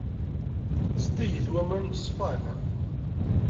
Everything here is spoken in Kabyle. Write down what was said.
Zeddigit waman ṣṣfan.